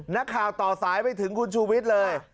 นักข่าวต่อสายไปถึงคุณชูวิทย์เลย